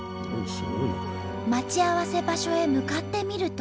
待ち合わせ場所へ向かってみると。